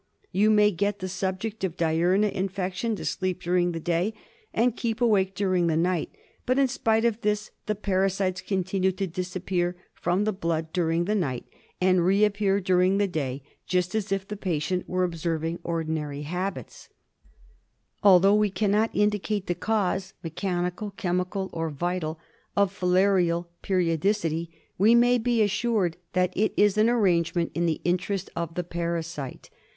You may get the subject of diurna infection to sleep during the day and keep awake during the night ; but, in spite of this, the parasites con tinue to disappear from the blood during the night and reappear during the day, just as if the patient were observing ordinary habits. 74 FILASIASIS. Although we cannot indicate the cause — mechanical, chemical, or vital — of filarial periodicity, we may be assured that it is an arrangement in the interest of the parasite.